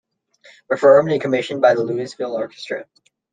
Performed and commissioned by The Louisville Orchestra.